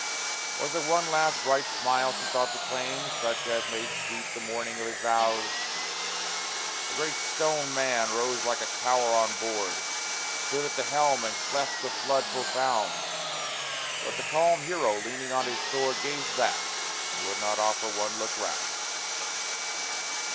Was it one last bright smile she thought to claim, Such as made sweet the morning of his vows? A great stone man rose like a tower on board, Stood at the helm and cleft the flood profound: But the calm hero, leaning on his sword, Gazed back, and would not offer one look round.